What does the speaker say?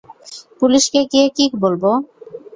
পুলিশকে গিয়ে কী বলবো?